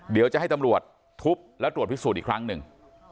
เดี๋ยวจะให้ตำรวจทุบแล้วตรวจพิสูจน์อีกครั้งหนึ่ง